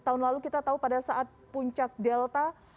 tahun lalu kita tahu pada saat puncak delta